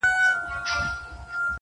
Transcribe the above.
پر اوږو د وارثانو جنازه به دي زنګیږي،